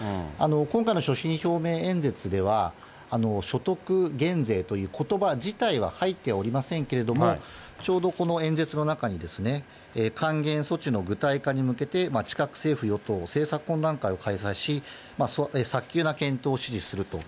今回の所信表明演説では、所得減税ということば自体は入っておりませんけれども、ちょうどこの演説の中に、還元措置の具体化に向けて近く、政府与党政策懇談会を開催し、早急な検討を指示すると。